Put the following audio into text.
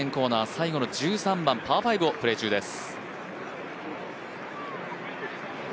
最後の１３番、パー５をプレー中です。